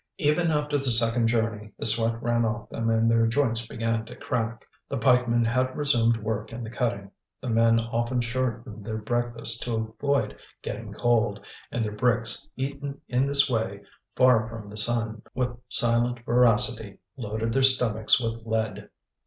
Even after the second journey, the sweat ran off them and their joints began to crack. The pikemen had resumed work in the cutting. The men often shortened their breakfast to avoid getting cold; and their bricks, eaten in this way, far from the sun, with silent voracity, loaded their stomachs with lead.